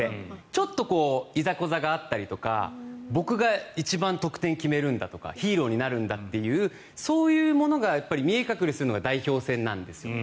ちょっといざこざがあったりとか僕が一番得点を決めるんだとかヒーローになるんだというそういうものが見え隠れするのが代表戦なんですよね